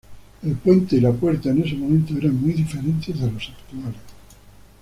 El puente y la puerta en ese momento eran muy diferentes de los actuales.